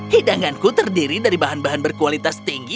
hidanganku terdiri dari bahan bahan berkualitas tinggi